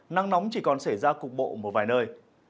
nắng nóng chỉ còn xảy ra cục bộ một vài nơi